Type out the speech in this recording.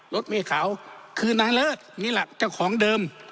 รถเมฆขาวคือนายเลิศนี่แหละเจ้าของเดิม